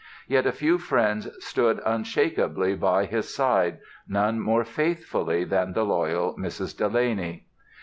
Yet a few friends stood unshakably by his side, none more faithfully than the loyal Mrs. Delany.